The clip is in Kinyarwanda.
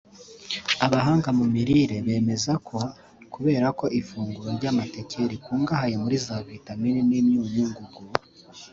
Abahanga mu mirire bemeza ko kubera ko ifunguro ry’amateike rikungahaye muri za vitamin n’imyunyu ngugu